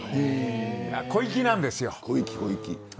小粋なんですよ。